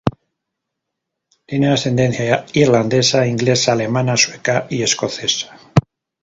Tiene ascendencia irlandesa, inglesa, alemana, sueca y escocesa.